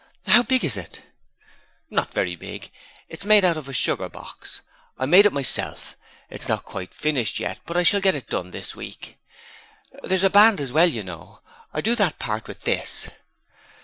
'How big is it?' 'Not very big: it's made out of a sugar box. I made it myself. It's not quite finished yet, but I shall get it done this week. There's a band as well, you know. I do that part with this.'